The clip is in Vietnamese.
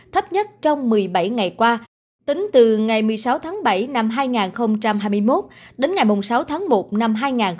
thấp nhất trong một mươi bảy ngày qua tính từ ngày một mươi sáu tháng bảy năm hai nghìn một mươi chín